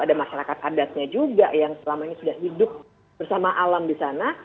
ada masyarakat adatnya juga yang selama ini sudah hidup bersama alam di sana